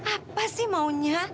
apa sih maunya